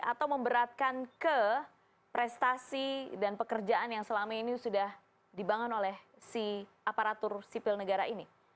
atau memberatkan ke prestasi dan pekerjaan yang selama ini sudah dibangun oleh si aparatur sipil negara ini